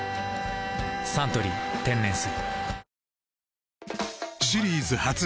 「サントリー天然水」